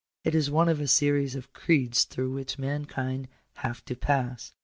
It is one of a series of creeds through which mankind have to pass.